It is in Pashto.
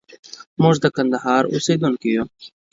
موږ د کندهار اوسېدونکي يو.